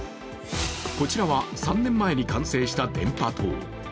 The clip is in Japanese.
こちらは３年前に完成した電波塔。